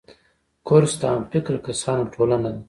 کورس د همفکره کسانو ټولنه ده.